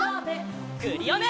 クリオネ！